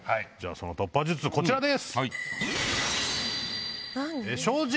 その突破術こちらです。